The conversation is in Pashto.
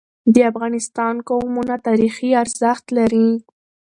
د افغانستان قومونه تاریخي ارزښت لري.